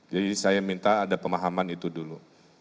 jadi saya minta ada pemahaman itu dulu